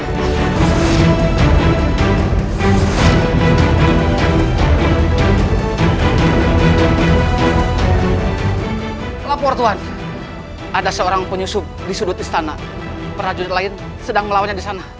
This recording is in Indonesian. jokowi lapor tuhan ada seorang penyusup di sudut istana panjang lain sedang melawannya santai